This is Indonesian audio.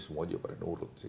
semua juga pada nurut sih